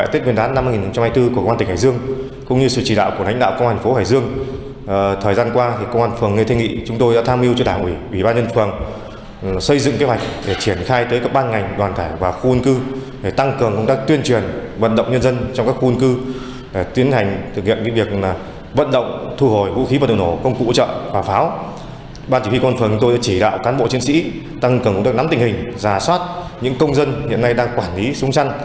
tôi chỉ đạo cán bộ chiến sĩ tăng cường được nắm tình hình giả soát những công dân hiện nay đang quản lý súng chăn